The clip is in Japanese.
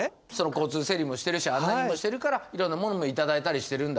交通整理もしてるし案内人もしてるからいろんな物も頂いたりしてるんだ。